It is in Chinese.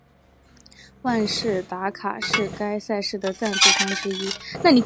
万事达卡是该赛事的赞助商之一。